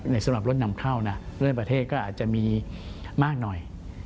สำหรับรถนำเข้านะเรื่องประเทศก็อาจจะมีมากหน่อย